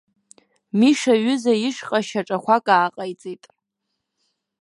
Миша иҩыза ишҟа шьаҿақәак ааҟаиҵеит.